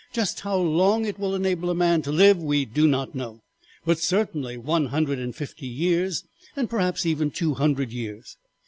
Just how long it will enable a man to live we do not know, but certainly one hundred and fifty years and perhaps even two hundred years.